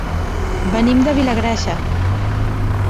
Venim de Vilagrassa.